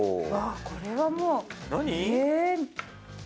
これはもうえ！